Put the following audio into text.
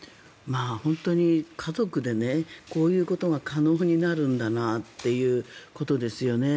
本当に家族でこういうことが可能になるんだなっていうことですよね。